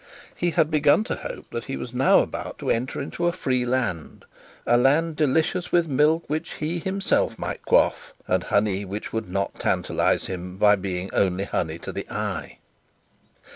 He had begun to hope that he was now about to enter into a free land, a land delicious with milk which he himself might quaff, and honey which would not tantalise him by being only honey to the eye.